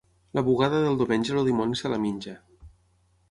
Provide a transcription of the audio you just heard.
La bugada del diumenge el dimoni se la menja.